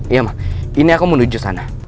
iya emak ini aku mau menuju sana